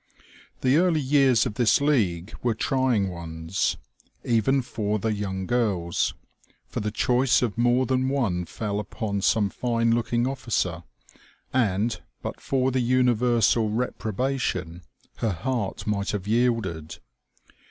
The early years of this league were trying ones, even 192 OMEGA. for the young girls : for the choice of more than one fell upon some fine looking officer, and, but for the universal reprobation, her heart might have yielded.